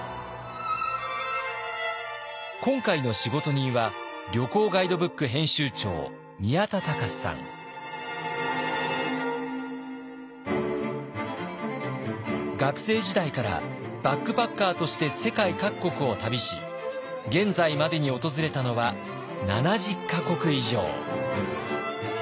今回の仕事人は学生時代からバックパッカーとして世界各国を旅し現在までに訪れたのは７０か国以上。